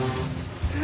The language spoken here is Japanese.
え？